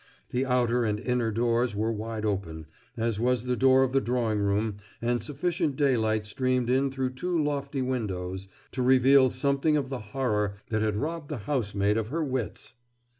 The outer and inner doors were wide open, as was the door of the drawing room, and sufficient daylight streamed in through two lofty windows to reveal something of the horror that had robbed the housemaid of her wits.